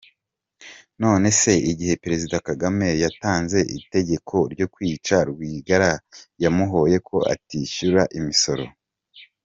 None se igihe Perezida Kagame yatanze itegeko ryo kwica Rwigara, yamuhoye ko atishyuraga imisoro ?